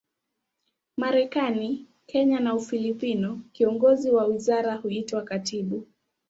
Marekani, Kenya na Ufilipino, kiongozi wa wizara huitwa katibu.